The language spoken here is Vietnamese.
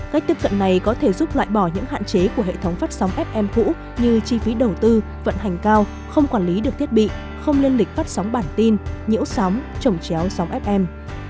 cách tiếp cận này có thể giúp loại bỏ những hạn chế của hệ thống phát sóng fm cũ như chi phí đầu tư vận hành cao không quản lý được thiết bị không lên lịch phát sóng bản tin nhiễu sóng trồng chéo sóng fm